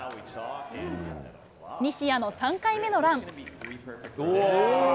西矢の３回目のラン。